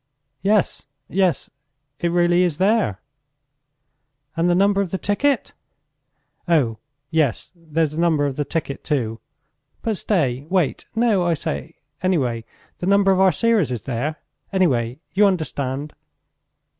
"Yes, yes... it really is there!" "And the number of the ticket?" "Oh, yes! There's the number of the ticket too. But stay... wait! No, I say! Anyway, the number of our series is there! Anyway, you understand...."